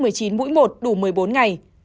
covid một mươi chín mũi một đủ một mươi bốn ngày